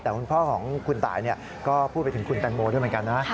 แต่คุณพ่อของคุณตายก็พูดไปถึงคุณแตงโมด้วยเหมือนกันนะ